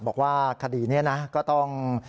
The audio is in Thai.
บอกว่าคดีนี้นะก็ต้อง